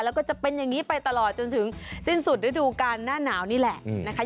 แล้วก็จะเป็นอย่างนี้ไปตลอดจนถึงสิ้นสุดฤดูการหน้าหนาวนี่แหละนะคะ